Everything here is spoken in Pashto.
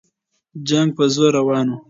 جنګ په زور روان وو.